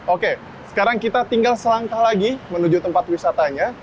oke sekarang kita tinggal selangkah lagi menuju tempat wisatanya